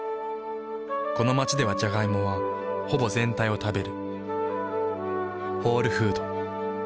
この街ではジャガイモはほぼ全体を食べる。